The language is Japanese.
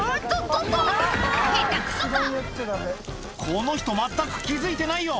この人全く気付いてないよ